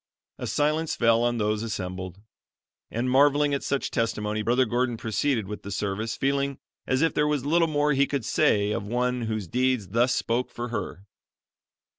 "] A silence fell on those assembled, and, marveling at such testimony, Brother Gordon proceeded with the service feeling as if there was little more he could say of one whose deeds thus spoke for her.